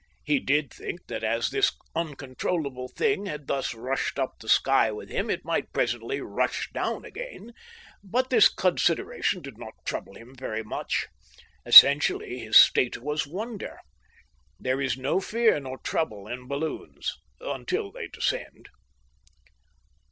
He did think that as this uncontrollable thing had thus rushed up the sky with him it might presently rush down again, but this consideration did not trouble him very much. Essentially his state was wonder. There is no fear nor trouble in balloons until they descend.